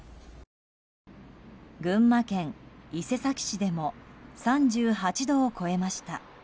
群馬県伊勢崎市でも３８度を超えました。